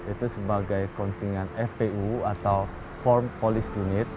itu sebagai kontingen fpu atau form police unit